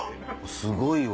すごいわ！